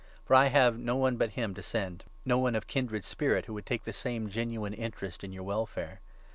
For 20 I have no one but him to send — no one of kindred spirit who would take the same genuine interest in your welfare.